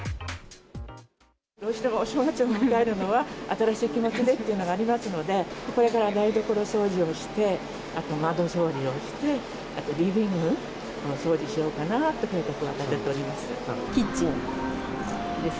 どうしてもお正月を迎えるのは、新しい気持ちでっていうのがありますので、これからは台所掃除をして、あと窓掃除をして、あとリビングの掃除しようかなっていう計画を立てております。